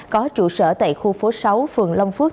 có trụ sở tại khu phố sáu phường long phước